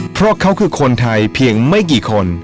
เพราะเขาคือคนไทยเพียงไม่กี่คน